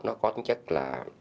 nó có tính chất là